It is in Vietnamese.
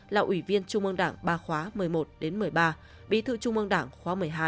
là ủy viên trung mương đảng ba khóa một mươi một một mươi ba bí thư trung mương đảng khóa một mươi hai